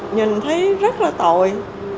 nhìn thấy rất là tội